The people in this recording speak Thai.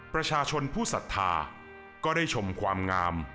ประชาชนผู้ศรัทธาก็ได้ชมความงาม